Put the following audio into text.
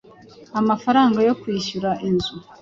amafaranga yo kwishyura inzu